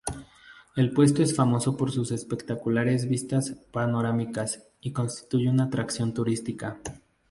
El puerto es famoso por sus espectaculares vistas panorámicas, y constituye una atracción turística.